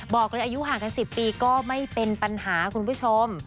บอกเลยอายุห่างกัน๑๐ปีก็ไม่เป็นปัญหาคุณผู้ชม